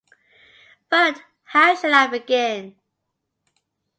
But how shall I begin?